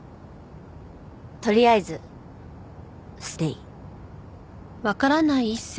とりあえずステイ。